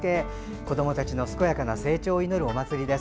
子どもたちの健やかな成長を祈るお祭りです。